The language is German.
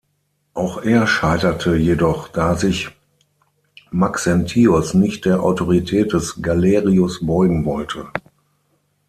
Auch er scheiterte jedoch, da sich Maxentius nicht der Autorität des Galerius beugen wollte.